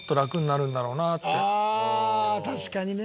ああ確かにね。